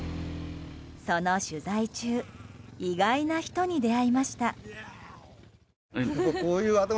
その取材中意外な人に出会いました。